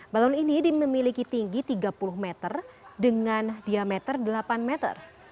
balon ini memiliki tinggi tiga puluh meter dengan diameter delapan meter